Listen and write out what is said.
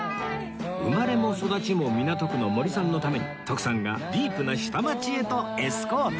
生まれも育ちも港区の森さんのために徳さんがディープな下町へとエスコート